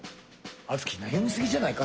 敦貴悩みすぎじゃないか？